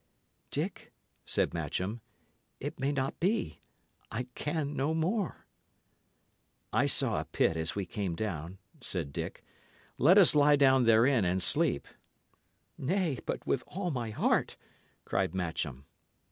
"Dick," said Matcham, "it may not be. I can no more." "I saw a pit as we came down," said Dick. "Let us lie down therein and sleep." "Nay, but with all my heart!" cried Matcham.